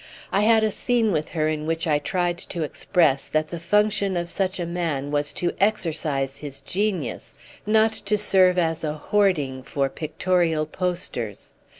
I had a scene with her in which I tried to express that the function of such a man was to exercise his genius—not to serve as a hoarding for pictorial posters.